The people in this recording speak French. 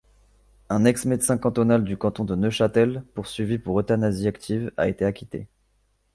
Un ex-médecin cantonal du canton de Neuchâtel, poursuivi pour euthanasie active, a été acquitté.